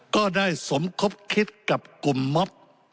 ก็ได้สมคบคิดกับกลุ่มม็อบ